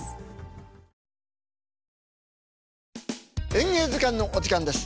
「演芸図鑑」のお時間です。